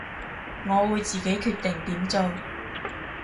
我會自己決定點做